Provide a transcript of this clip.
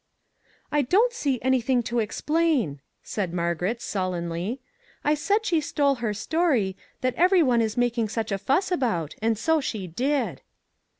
" I don't see anything to explain," said Mar garet, sullenly. " I said she stole her story, that every one is making such a fuss about, and so she did."